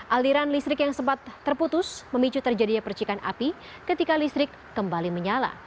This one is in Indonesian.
aliran listrik yang sempat terputus memicu terjadinya percikan api ketika listrik kembali menyala